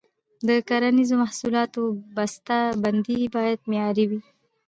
د کرنیزو محصولاتو بسته بندي باید معیاري وي.